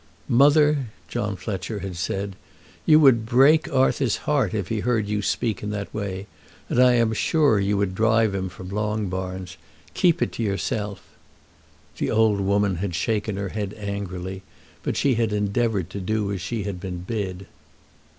"Mother," John Fletcher had said, "you would break Arthur's heart if he heard you speak in that way, and I am sure you would drive him from Longbarns. Keep it to yourself." The old woman had shaken her head angrily, but she had endeavoured to do as she had been bid.